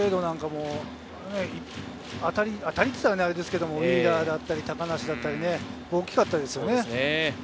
その年のトレードなんかも当たりって言ったらあれですけど、ウィーラーだったり、高梨だったり、大きかったですよね。